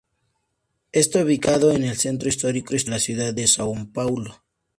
Está ubicado en el centro histórico de la ciudad de São Paulo.